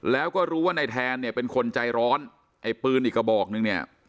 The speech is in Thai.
แล้วก็รู้ว่าในแทนเนี่ยเป็นคนใจร้อนไอ้ปืนอีกกระบอกนึงเนี่ย